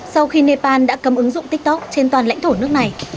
sau khi nepal đã cấm ứng dụng tiktok trên toàn lãnh thổ nước này